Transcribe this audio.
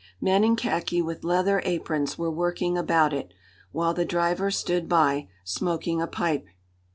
Men in khaki with leather aprons were working about it, while the driver stood by, smoking a pipe.